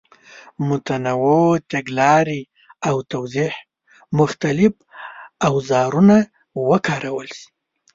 متنوع تګلارې او د توضیح مختلف اوزارونه وکارول شي.